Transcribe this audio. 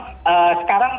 jadi memang sekarang